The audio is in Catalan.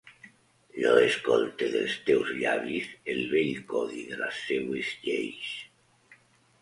Jo escolte dels teus llavis el bell codi de les seues lleis.